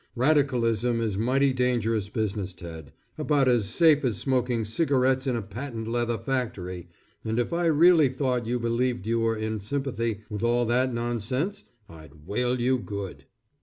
Radicalism is mighty dangerous business Ted, about as safe as smoking cigarettes in a patent leather factory, and if I really thought you believed you were in sympathy with all that nonsense I'd whale you good.